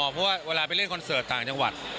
เพราะว่าเวลาไปเล่นคอนเสิร์ตต่างจังหวัด